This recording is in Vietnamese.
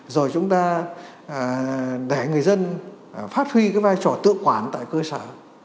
rồi chúng ta để người dân phát huy cái vai trò tự quản tại cơ sở